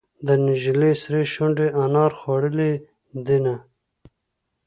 د نجلۍ سرې شونډې انار خوړلې دينهه.